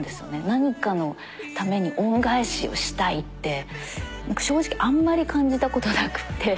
何かのために恩返しをしたいって何か正直あんまり感じたことなくって。